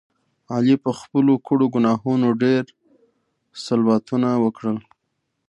علي په خپلو کړو ګناهونو ډېر صلواتونه وکړل.